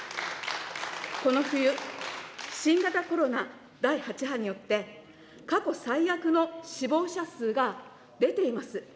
この冬、新型コロナ第８波によって、過去最悪の死亡者数が出ています。